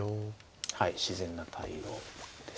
はい自然な対応です。